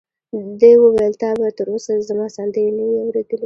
ده وویل: تا به تر اوسه زما سندرې نه وي اورېدلې؟